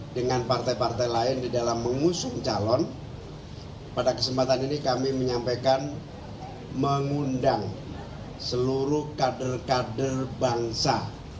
dengan partai partai lain di dalam mengusung calon pada kesempatan ini kami menyampaikan mengundang seluruh kader kader bangsa